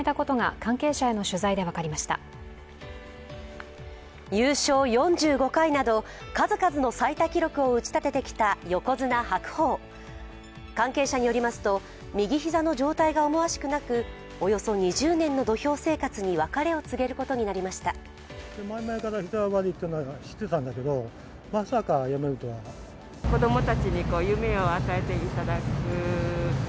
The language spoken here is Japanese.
関係者によりますと右膝の状態が思わしくなくおよそ２０年の土俵生活に別れを告げることになりました。